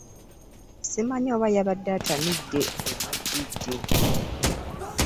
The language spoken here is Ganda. Ssimanyi oba yabadde atamidde bwe mwajjidde.